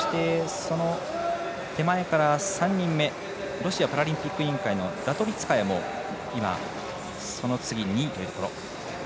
ロシアパラリンピック委員会のラトリツカヤもその次、２位というところ。